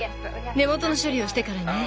根元の処理をしてからね。